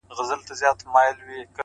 او بل زما وړه موسکا چي څوک په زړه وچيچي’